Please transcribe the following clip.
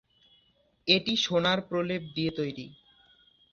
এটি সোনার প্রলেপ দিয়ে তৈরি।